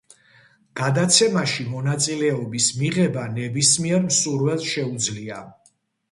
გადაცემაში მონაწილეობის მიღება ნებისმიერ მსურველს შეუძლია.